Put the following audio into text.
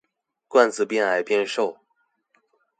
罐子變矮變瘦